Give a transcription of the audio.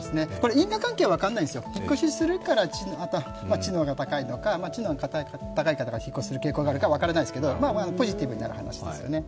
因果関係は分からないんですよ、引っ越しするから知能が高いのか、知能が高い方が引っ越しする傾向があるか分からないですけどポジティブになる話ですよね。